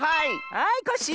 はいコッシー！